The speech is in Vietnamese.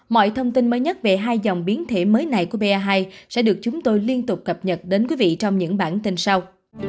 mọi thông tin mới nhất về hai dòng biến thể mới này của ba sẽ được chúng tôi liên tục cập nhật đến quý vị trong những bản tin sau